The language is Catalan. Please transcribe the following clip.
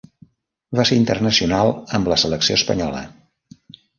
Va ser internacional amb la selecció espanyola.